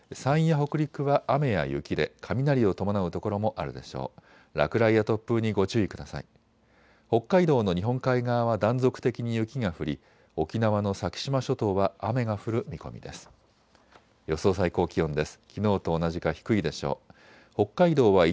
北海道の日本海側は断続的に雪が降り沖縄の先島諸島は雨が降る見込みです。